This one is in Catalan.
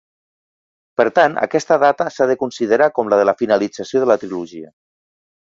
Per tant, aquesta data s'ha de considerar com la de la finalització de la trilogia.